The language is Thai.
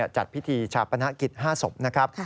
จัดพิธีชาปนกิจ๕ศพนะครับ